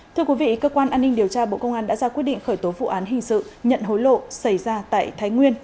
thưa quý vị cơ quan an ninh điều tra bộ công an đã ra quyết định khởi tố vụ án hình sự nhận hối lộ xảy ra tại thái nguyên